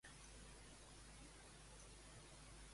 Què vol que li comenti a Déu?